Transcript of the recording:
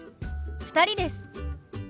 ２人です。